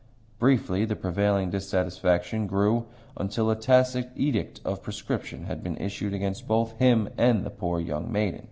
Briefly, the prevailing dissatisfaction grew until a tacit edict of proscription had been issued against both him and the poor young maiden.